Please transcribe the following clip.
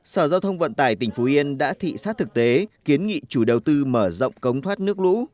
sở giao thông vận tải tỉnh phú yên đã thị sát thực tế kiến nghị chủ đầu tư mở rộng cống thoát nước lũ